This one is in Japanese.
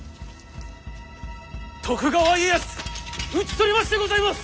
徳川家康討ち取りましてございます！